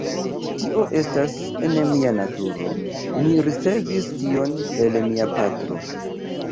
Tio estas en mia naturo, mi ricevis tion el mia patro.